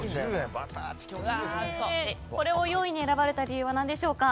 これを４位に選ばれた理由は何でしょうか？